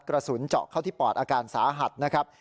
กระสุนเจาะเข้าที่ปอดอาการสาหัสนะครับ